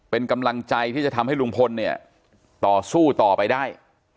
เป็นกำลังใจที่จะทำให้ลุงพลเนี่ยต่อสู้ต่อไปได้